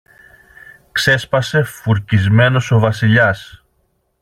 ξέσπασε φουρκισμένος ο Βασιλιάς.